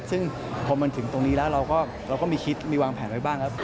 ซึ่งพอมันถึงตรงนี้แล้วเราก็มีคิดมีวางแผนไว้บ้างครับ